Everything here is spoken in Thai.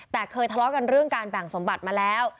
แต่เคยทะเลาะกันเรื่องการแบ่งสมบัติมาแล้ว